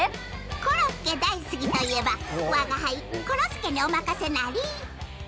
コロッケ大好きといえばわがはい、コロ助にお任せナリ！